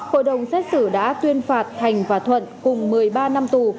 hội đồng xét xử đã tuyên phạt thành và thuận cùng một mươi ba năm tù